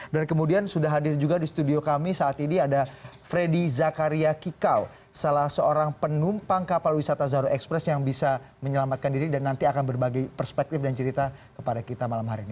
dan kemudian sudah hadir juga di studio kami saat ini ada freddy zakaria kikau salah seorang penumpang kapal wisata zahra express yang bisa menyelamatkan diri dan nanti akan berbagi perspektif dan cerita kepada kita malam hari ini